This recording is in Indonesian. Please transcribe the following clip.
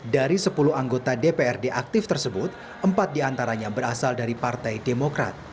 dari sepuluh anggota dprd aktif tersebut empat diantaranya berasal dari partai demokrat